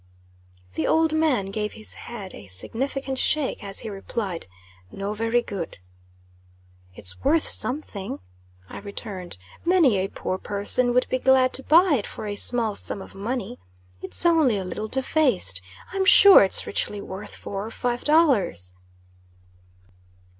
The old man gave his head a significant shake, as he replied "No very good." "It's worth something," I returned. "Many a poor person would be glad to buy it for a small sum of money. It's only a little defaced. I'm sure its richly worth four or five dollars."